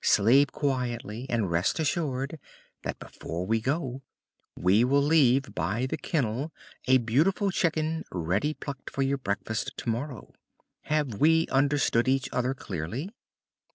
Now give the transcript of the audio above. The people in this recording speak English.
Sleep quietly, and rest assured that before we go we will leave by the kennel a beautiful chicken ready plucked for your breakfast tomorrow. Have we understood each other clearly?"